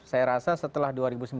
saya rasa setelah dua ribu sembilan belas